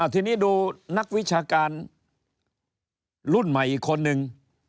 ทีนี้ดูนักวิชาการรุ่นใหม่อีกคนนึง